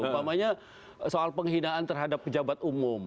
umpamanya soal penghinaan terhadap pejabat umum